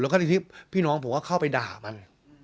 แล้วก็ในที่พี่น้องผมก็เข้าไปด่ามัน